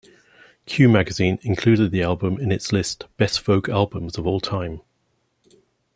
"Q" magazine included the album in its list "Best Folk Albums of All Time".